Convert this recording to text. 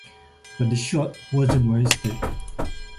But the shot wasn't wasted.